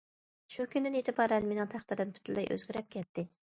شۇ كۈندىن ئېتىبارەن مېنىڭ تەقدىرىم پۈتۈنلەي ئۆزگىرىپ كەتتى.